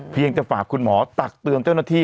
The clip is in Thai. เพียงจะฝากคุณหมอตักเตือนเจ้าหน้าที่